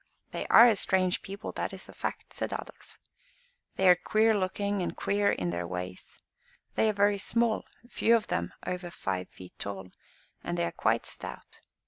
"They are a strange people, that is a fact," said Adolf. "They are queer looking and queer in their ways. They are very small, few of them over five feet tall, and they are quite stout.